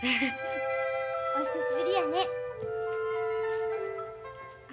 お久しぶりやね。